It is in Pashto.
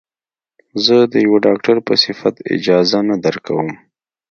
زه د يوه ډاکتر په صفت اجازه نه درکم.